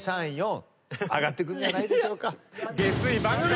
上がってくんじゃないでしょうか。